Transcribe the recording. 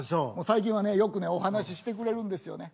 最近はねよくねお話ししてくれるんですよね。